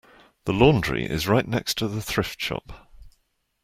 The laundry is right next to the thrift shop.